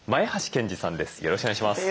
よろしくお願いします。